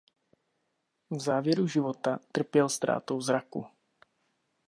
V závěru života trpěl ztrátou zraku.